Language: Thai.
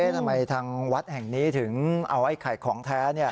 ทำไมทางวัดแห่งนี้ถึงเอาไอ้ไข่ของแท้